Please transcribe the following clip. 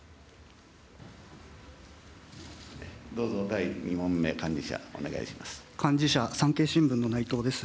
どうぞ、２問目、幹事社お願いします。